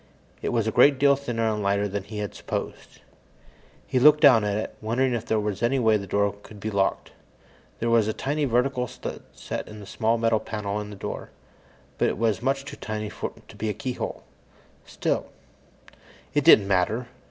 It was a great deal thinner and lighter than he had supposed. He looked down at it, wondering if there were any way the door could be locked. There was a tiny vertical slit set in a small metal panel in the door, but it was much too tiny to be a keyhole. Still It didn't matter.